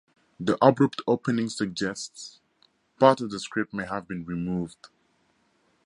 The abrupt opening suggests part of the script may have been removed.